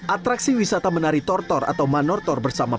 atraksi wisata menari tortor atau manortor bersama